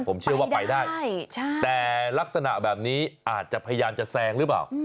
ผมเชื่อว่าไปได้แต่ลักษณะแบบนี้อาจจะพยายามจะแซงหรือเปล่า